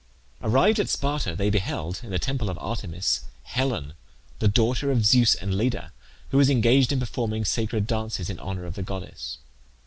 Arrived at Sparta they beheld, in the temple of Artemis, Helen, the daughter of Zeus and Leda, who was engaged in performing sacred dances in honour of the goddess.